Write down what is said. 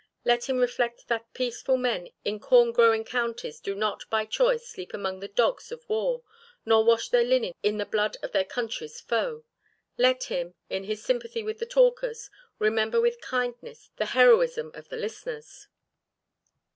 Let him reflect that peaceful men in corn growing counties do not by choice sleep among the dogs of war nor wash their linen in the blood of their country's foe. Let him, in his sympathy with the talkers, remember with kindness the heroism of the listeners.